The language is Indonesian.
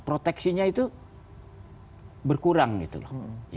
proteksinya itu berkurang gitu loh